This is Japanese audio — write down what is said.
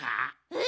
え？